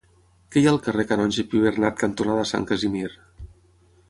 Què hi ha al carrer Canonge Pibernat cantonada Sant Casimir?